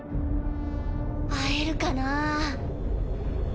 会えるかなぁ。